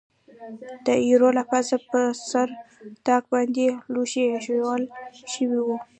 د ایرو له پاسه پر سر طاق باندې لوښي اېښوول شوي و.